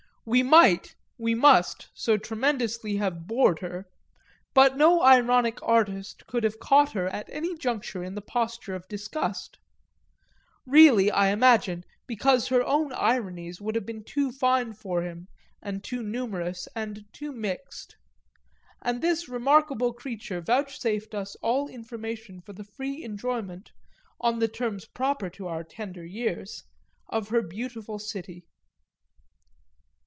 We might, we must, so tremendously have bored her, but no ironic artist could have caught her at any juncture in the posture of disgust: really, I imagine, because her own ironies would have been too fine for him and too numerous and too mixed. And this remarkable creature vouchsafed us all information for the free enjoyment on the terms proper to our tender years of her beautiful city.